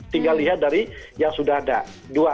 tinggal lihat dari yang sudah ada